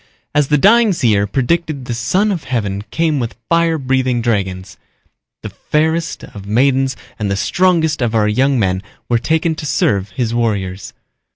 As the dying seer predicted the Son of Heaven came with fire breathing dragons. The fairest of maidens and the strongest of our young men were taken to serve his warriors.